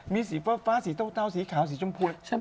มีสีฟ้าสีเต้วสีขาวสีชมพู